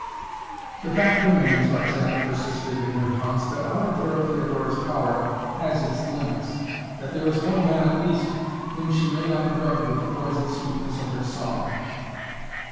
"The fact remains," Roxana persisted in her taunts, "that our fair Theodora's power has its limits; that there is one man at least whom she may not drug with the poison sweetness of her song."